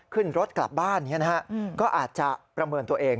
ขึ้นรถกลับบ้านเนี่ยนะฮะก็อาจจะประเมินตัวเอง